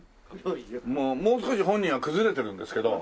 もう少し本人は崩れてるんですけど。